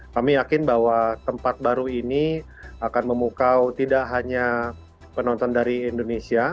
kami yakin bahwa tempat baru ini akan memukau tidak hanya penonton dari indonesia